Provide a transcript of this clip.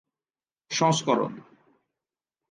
সংস্করণ: